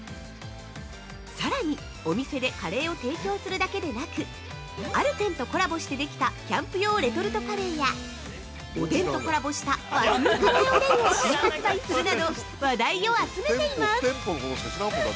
さらに、お店でカレーを提供するだけでなく、アルペンとコラボしてできたキャンプ用レトルトカレーやおでんとコラボした和風カレーおでんを新発売するなど話題を集めています！